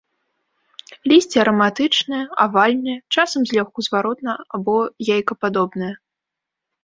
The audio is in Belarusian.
Лісце араматычнае, авальнае, часам злёгку зваротна- або яйкападобнае.